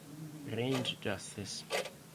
Range Justice